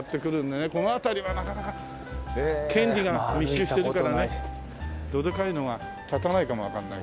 この辺りはなかなか権利が密集してるからねどでかいのが建たないかもわかんないけども。